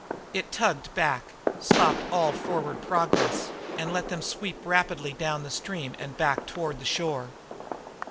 It tugged back, stopped all their forward progress, and let them sweep rapidly down the stream and back toward the shore.